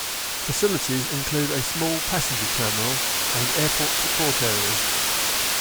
Facilities include a small passenger terminal and airport support areas.